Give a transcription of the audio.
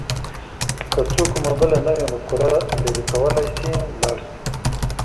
که څوک کومه بله نوې مفکوره لري کولای شي لاړ شي.